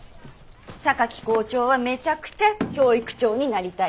榊校長はめちゃくちゃ教育長になりたい。